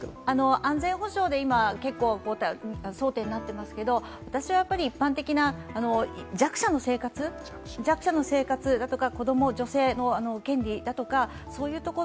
安全保障で今、結構争点になっていますけど、私は一般的な弱者の生活だとか子供、女性の権利だとか、そういうところ。